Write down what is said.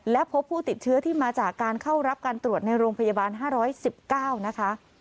และพบผู้ติดเชื้อที่มาจากการเข้ารับการตรวจในโรงพยาบาล๕๑๙นะคะ